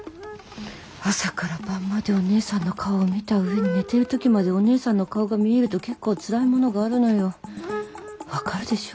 朝から晩までお姉さんの顔を見た上に寝てる時までお姉さんの顔が見えると結構ツラいものがあるのよ分かるでしょ？